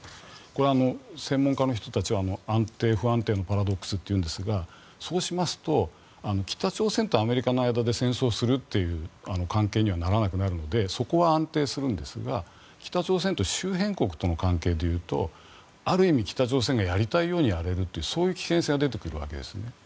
これ、専門家の人たちは安定・不安定のパラドックスというんですがそうしますと北朝鮮とアメリカの間で戦争するという関係にはならなくなるのでそこは安定するんですが北朝鮮と周辺国との関係でいうとある意味、北朝鮮がやりたいようにやれるというそういう危険性が出てくるわけですね。